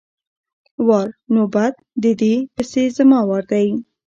وار= نوبت، د دې پسې زما وار دی!